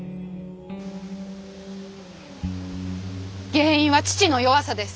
原因は父の弱さです。